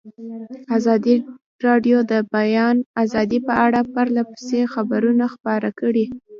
ازادي راډیو د د بیان آزادي په اړه پرله پسې خبرونه خپاره کړي.